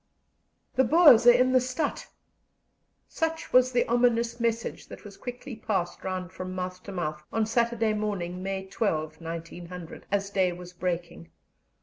"The Boers are in the stadt!" Such was the ominous message that was quickly passed round from mouth to mouth on Saturday morning, May 12, 1900, as day was breaking.